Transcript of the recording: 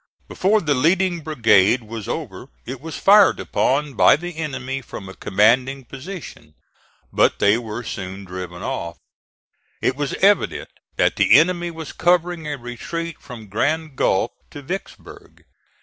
Before the leading brigade was over it was fired upon by the enemy from a commanding position; but they were soon driven off. It was evident that the enemy was covering a retreat from Grand Gulf to Vicksburg.